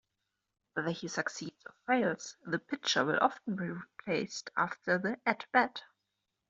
Whether he succeeds or fails, the pitcher will often be replaced after the at-bat.